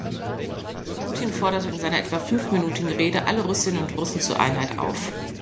Putin forderte in seiner etwa fünfminütigen Rede alle Russinnen und Russen zur Einheit auf.